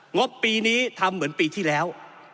บปีนี้ทำเหมือนปีที่แล้ว